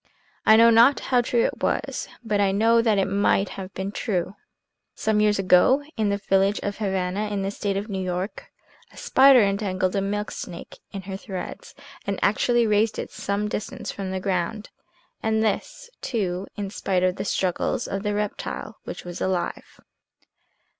I know not how true it was, but I know that it might have been true. Some years ago, in the village of Havana, in the State of New York, a spider entangled a milk snake in her threads, and actually raised it some distance from the ground, and this, too, in spite of the struggles of the reptile, which was alive.